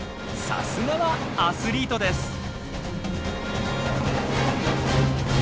さすがはアスリートです。